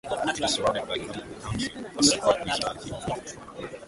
It is surrounded by Cambridge Township, a separate municipality.